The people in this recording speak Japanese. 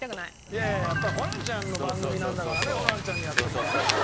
いやいややっぱホランちゃんの番組なんだからねホランちゃんにやってもらわないと。